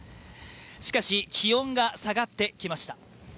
しかし気温が下がってきました